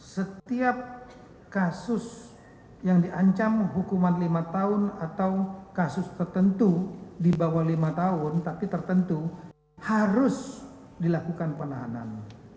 setiap kasus yang diancam hukuman lima tahun atau kasus tertentu di bawah lima tahun tapi tertentu harus dilakukan penahanan